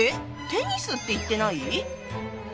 テニスって言ってない？